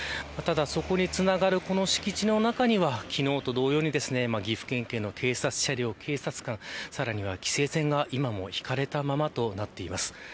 そこにつながる敷地の中には昨日と同様に岐阜県警の警察車両、警察官さらには規制線が今も引かれたままとなっています。